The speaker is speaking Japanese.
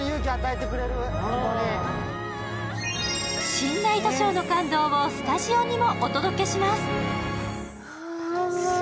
新ナイトショーの感動をスタジオにもお届けします。